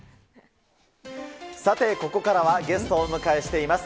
さて、ここからはゲストをお迎えしています。